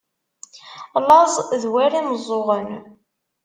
Laẓ d war imeẓẓuɣen.